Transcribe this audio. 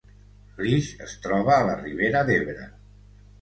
Flix es troba a la Ribera d’Ebre